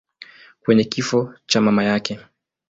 kwenye kifo cha mama yake.